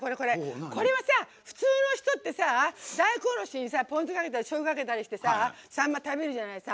普通の人って大根おろしにポン酢かけたりしょうゆかけたりしてさんま食べるじゃないですか。